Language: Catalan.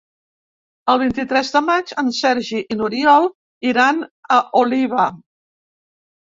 El vint-i-tres de maig en Sergi i n'Oriol iran a Oliva.